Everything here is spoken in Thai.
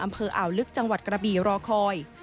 อำเภออาวลึกจังหวัดกระบีรอคอย